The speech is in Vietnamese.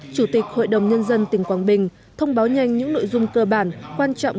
chủ tịch hội đồng nhân dân tỉnh quảng bình thông báo nhanh những nội dung cơ bản quan trọng